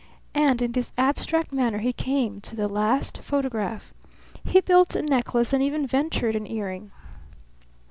And in this abstract manner he came to the last photograph. He built a necklace and even ventured an earring.